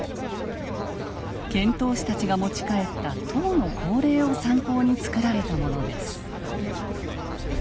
遣唐使たちが持ち帰った唐の法令を参考につくられたものです。